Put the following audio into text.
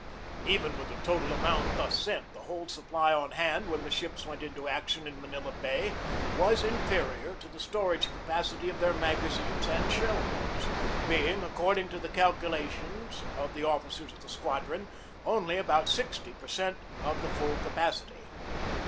Even with the total amount thus sent, the whole supply on hand when the ships went into action in Manila Bay was inferior to the storage capacity of their magazines and shell rooms, being, according to the calculation of the officers of the squadron, only about sixty per cent of the full capacity.